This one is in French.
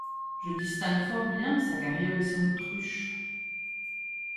Je distingue fort bien sa carriole et son autruche!...